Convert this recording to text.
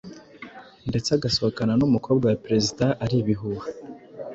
ndetse agasohokana n'umukobwa wa perezida ari ibihuha